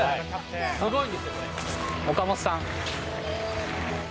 すごいんですよ、これ、岡本さん。